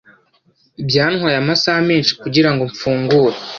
Byantwaye amasaha menshi kugirango mfungure.